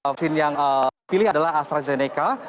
vaksin yang pilih adalah astrazeneca